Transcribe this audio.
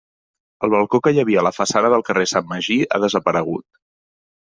El balcó que hi havia a la façana del carrer Sant Magí ha desaparegut.